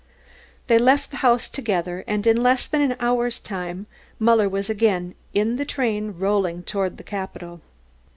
They left the house together and in less than an hour's time Muller was again in the train rolling towards the capital.